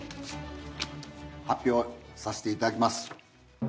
発表させていただきます。